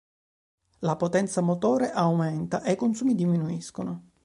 La potenza motore aumenta e i consumi diminuiscono.